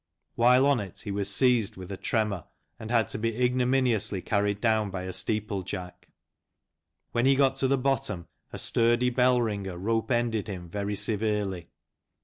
While on it he was seized with a tremor, and had to be ignominiously carried down by a Steeple Jack. When he got to the bottom a sturdy bellringer rope ended him very severely.